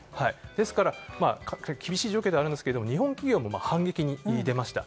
ですから厳しい状況ではあるんですが日本企業も反撃に出ました。